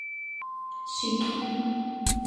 Шъитӏу.